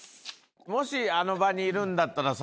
もしあの場にいるんだったらさ。